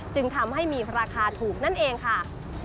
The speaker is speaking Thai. จึงทำให้มีราคาถูกนั่นเองค่ะ